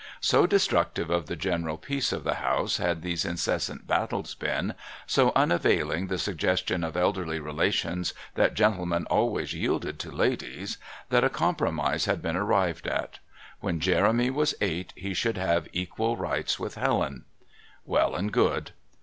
So destructive of the general peace of the house had these incessant battles been, so unavailing the suggestions of elderly relations that gentlemen always yielded to ladies, that a compromise had been arrived at. When Jeremy was eight he should have equal rights with Helen. Well and good.